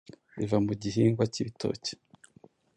ziva mu gihingwa cy’ibitoki